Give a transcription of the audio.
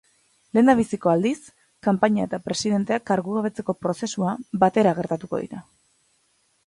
Lehendabiziko aldiz, kanpaina eta presidentea kargugabetzeko prozesua batera gertatuko dira.